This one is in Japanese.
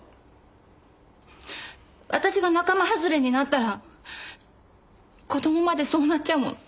私が仲間はずれになったら子供までそうなっちゃうもん。